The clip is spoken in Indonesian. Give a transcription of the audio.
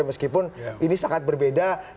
meskipun ini sangat berbeda